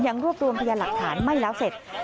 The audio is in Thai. ยังรวบรวมพยานหลักฐานไม่แล้วเสร็จ